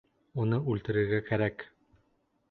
Уны үлтерергә кәрәк.